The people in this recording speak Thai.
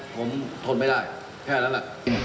ผมทนไม่ได้แค่นั้นแหละ